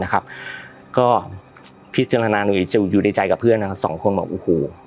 นะครับก็พี่จันทนานุยิจะอยู่ในใจกับเพื่อนอ่ะสองคนบอกโอ้โห